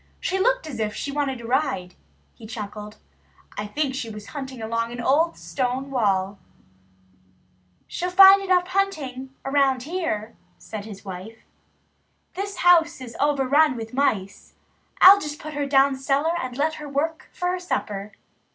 "She looked as if she wanted a ride," he chuckled. "I think she was hunting along an old stone wall." "She'll find hunting enough here," said his wife. "This house is overrun with mice. I'll just put her down cellar and let her work for her supper."